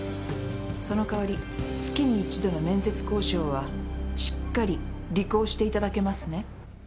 その代わり月に一度の面接交渉はしっかり履行していただけますね？